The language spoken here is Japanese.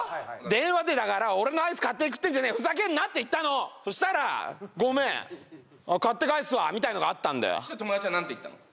電話でだから「俺のアイス勝手に食ってんじゃねえよふざけんな」って言ったのそしたら「ごめん買って返すわ」みたいのがあったんだよそしたら友達は何て言ったの？